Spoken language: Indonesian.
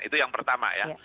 itu yang pertama ya